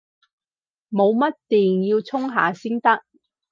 冇乜電，要充下先得